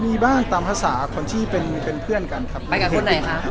มีบ้านตามภาษาคนที่เป็นเพื่อนกันครับ